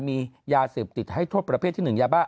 มียาเสพติดให้โทษประเภทที่๑ยาบ้า